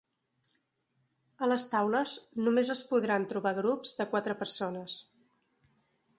A les taules només es podran trobar grups de quatre persones.